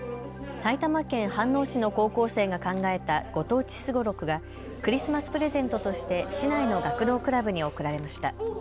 埼玉県飯能市の高校生が考えたご当地すごろくがクリスマスプレゼントとして市内の学童クラブにおくられました。